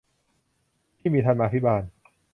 ที่มีธรรมาภิบาล